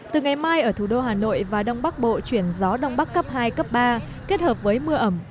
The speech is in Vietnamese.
từ ngày mai ở thủ đô hà nội và đông bắc bộ chuyển gió đông bắc cấp hai cấp ba kết hợp với mưa ẩm